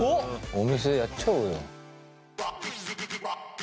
お店やっちゃおうよ。